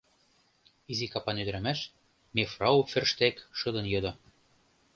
— изи капан ӱдырамаш, мефрау Ферштег, шыдын йодо.